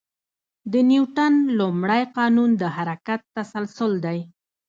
د نیوتن لومړی قانون د حرکت تسلسل دی.